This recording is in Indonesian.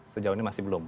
sejauh ini masih belum